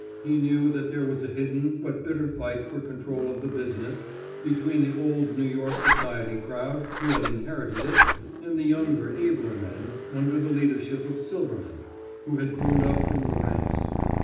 He knew that there was a hidden but bitter fight for control of the business between the old New York society crowd who had inherited it, and the younger abler men, under the leadership of Silverman, who had grown up from the ranks.